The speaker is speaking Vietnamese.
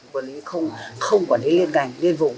quản lý không không quản lý liên ngành liên vùng